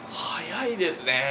早いですね。